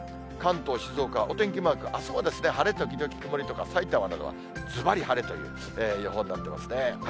関東、静岡はお天気マーク、あすは晴れ時々曇りとか、さいたまなどはずばり晴れという予報になってますね。